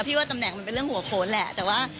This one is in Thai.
ว่าตำแหน่งมันเป็นเรื่องหัวโขนแหละแต่ว่า